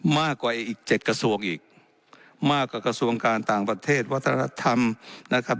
มากกว่าอีกเจ็ดกระทรวงอีกมากกว่ากระทรวงการต่างประเทศวัฒนธรรมนะครับ